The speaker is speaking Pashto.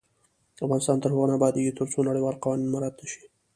افغانستان تر هغو نه ابادیږي، ترڅو نړیوال قوانین مراعت نشي.